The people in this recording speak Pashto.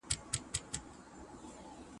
چې بیا نه توره پورته شي نه سر په وینو رنګ شي